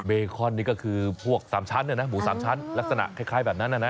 เบคอนนี่ก็คือพวก๓ชั้นหมู๓ชั้นลักษณะคล้ายแบบนั้นนะ